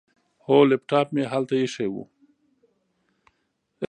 هو، لیپټاپ مې هلته ایښی.